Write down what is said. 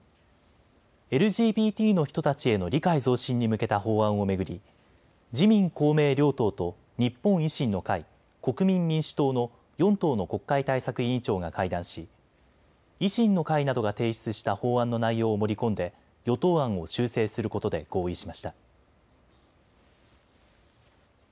ＬＧＢＴの人たちへの理解増進に向けた法案を巡り自民公明両党と日本維新の会、国民民主党の４党の国会対策委員長が会談し維新の会などが提出した法案の内容を盛り込んで与党案を修正することで合意しました。